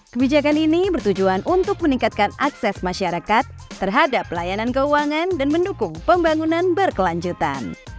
kebijakan ini bertujuan untuk meningkatkan akses masyarakat terhadap pelayanan keuangan dan mendukung pembangunan berkelanjutan